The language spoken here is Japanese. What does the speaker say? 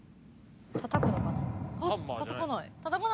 たたくのかな？